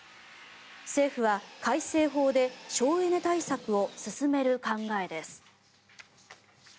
政府は改正法で省エネ対策を進める考えです。